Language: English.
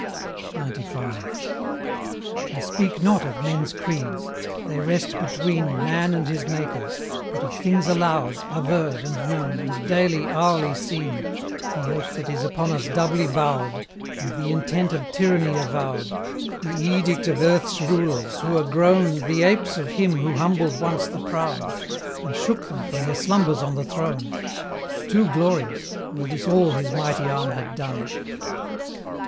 XCV. I speak not of men's creeds they rest between Man and his Maker but of things allowed, Averred, and known, and daily, hourly seen The yoke that is upon us doubly bowed, And the intent of tyranny avowed, The edict of Earth's rulers, who are grown The apes of him who humbled once the proud, And shook them from their slumbers on the throne; Too glorious, were this all his mighty arm had done.